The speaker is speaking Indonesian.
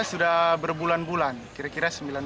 sudah berbulan bulan kira kira sembilan bulan